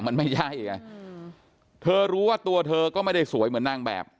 มันไม่ใช่ไงเธอรู้ว่าตัวเธอก็ไม่ได้สวยเหมือนนางแบบ